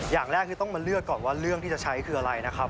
อย่างแรกคือต้องมาเลือกก่อนว่าเรื่องที่จะใช้คืออะไรนะครับ